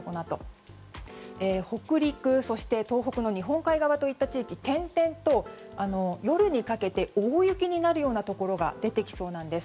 北陸、そして東北の日本海側といった地域点々と、夜にかけて大雪になるようなところが出てきそうなんです。